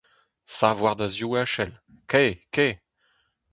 Sav war da zivaskell, kae ! kae !